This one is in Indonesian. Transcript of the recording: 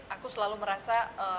aku selalu merasa